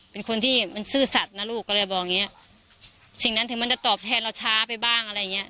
เป็นคนที่มันซื่อสัตว์นะลูกก็เลยบอกอย่างเงี้ยสิ่งนั้นถึงมันจะตอบแทนเราช้าไปบ้างอะไรอย่างเงี้ย